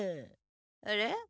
あれ？